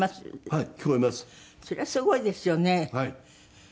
はい。